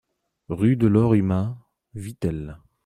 Rue de Lorima, Vittel